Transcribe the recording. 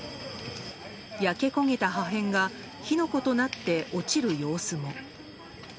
焼け焦げた破片が火の粉となって落ちる様子も。